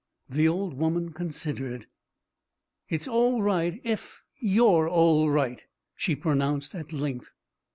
The old woman considered. "It's all right ef you're all right," she pronounced at length.